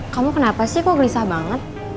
kamu kenapa sih kok gelisah banget